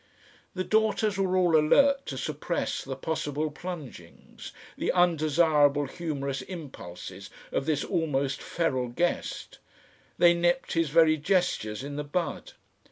The daughters were all alert to suppress the possible plungings, the undesirable humorous impulses of this almost feral guest. They nipped his very gestures in the bud.